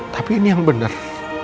tapi ini yang benar